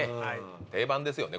定番ですよね